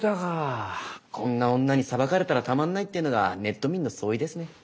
こんな女に裁かれたらたまんないっていうのがネット民の総意ですね。